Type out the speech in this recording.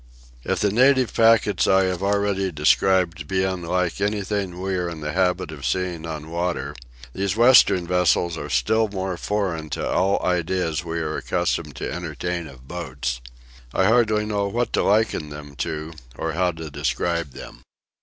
If the native packets I have already described be unlike anything we are in the habit of seeing on water, these western vessels are still more foreign to all the ideas we are accustomed to entertain of boats. I hardly know what to liken them to, or how to describe them.